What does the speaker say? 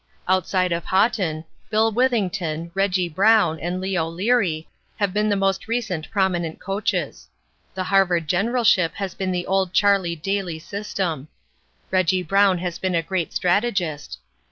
"Outside of Haughton, Bill Withington, Reggie Brown, and Leo Leary have been the most recent prominent coaches. The Harvard generalship has been the old Charlie Daly system. Reggie Brown has been a great strategist.